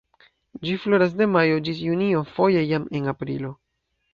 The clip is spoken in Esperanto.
Ĝi floras de majo ĝis junio, foje jam en aprilo.